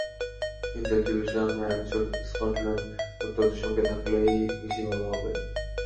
কিন্তু একটি বিষয়ে আমরা একজোট—স্কটল্যান্ড যুক্তরাজ্যের সঙ্গে থাকলেই বেশি ভালো হবে।